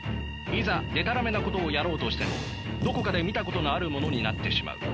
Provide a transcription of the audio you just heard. いざでたらめなことをやろうとしてもどこかで見たことのあるものになってしまう。